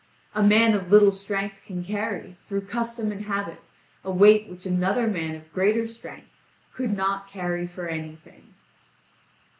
A man of little strength can carry, through custom and habit, a weight which another man of greater strength could not carry for anything."